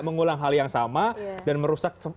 mengulang hal yang sama dan merusak